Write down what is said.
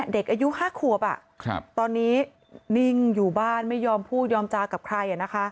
เด็กอายุ๕ขวบตอนนี้นิ่งอยู่บ้านไม่ยอมพูดยอมจากับใคร